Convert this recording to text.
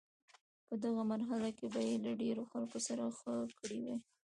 په دغه مرحله کې به یې له ډیرو خلکو سره ښه کړي وي.